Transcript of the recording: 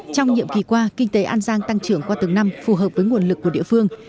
trong nhiệm kỳ qua kinh tế an giang tăng trưởng qua từng năm phù hợp với nguồn lực của địa phương